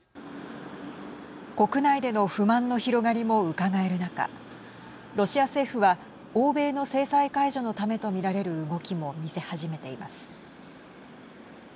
国内での不満の広がりもうかがえる中ロシア政府は欧米の制裁解除のためとみられる動きも見せ始めています。